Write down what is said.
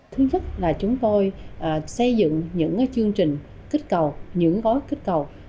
thứ nhất là chúng tôi xây dựng những chương trình kích cầu những gói kích cầu